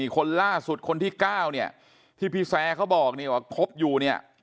คนล่าสุดคนที่เก้าเนี่ยที่พี่แซ่เขาบอกว่าครบอยู่เนี่ย